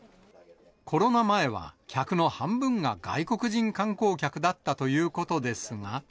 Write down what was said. コロナ前は客の半分が外国人観光客だったということですが。